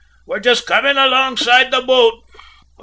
We're just coming alongside the boat."